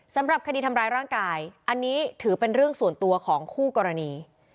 สำหรับคดีทำร้ายร่างกายอันนี้ถือเป็นเรื่องส่วนตัวของคู่กรณี